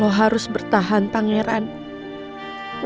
dia ada harapan untuk kita bertahan abang units danny